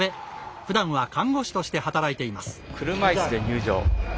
ふだんは看護師として働いています。